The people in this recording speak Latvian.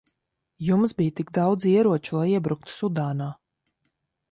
Jums bija tik daudz ieroču, lai iebruktu Sudānā.